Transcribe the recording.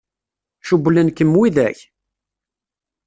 Cewwlen-kem widak?